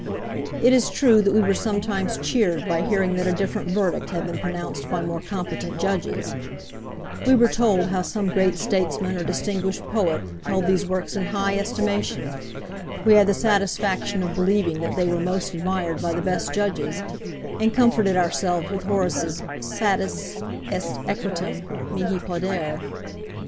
It is true that we were sometimes cheered by hearing that a different verdict had been pronounced by more competent judges: we were told how some great statesman or distinguished poet held these works in high estimation; we had the satisfaction of believing that they were most admired by the best judges, and comforted ourselves with Horace's 'satis est Equitem mihi plaudere.'